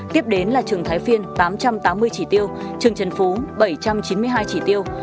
tiếp đến là trường thái phiên tám trăm tám mươi chỉ tiêu trường trần phú bảy trăm chín mươi hai chỉ tiêu